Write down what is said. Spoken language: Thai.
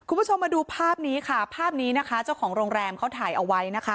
คุณผู้ชมมาดูภาพนี้ค่ะภาพนี้นะคะเจ้าของโรงแรมเขาถ่ายเอาไว้นะคะ